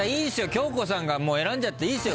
京子さんが選んじゃっていいっすよ。